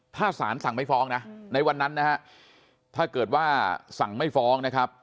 ถ้าสารสั่งไม่ฟ้องนะในวันนั้นนะฮะถ้าเกิดว่าสั่งไม่ฟ้องนะครับ